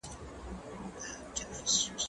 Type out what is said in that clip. کېدای شي اوبه سړې وي!